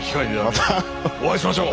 またお会いしましょう！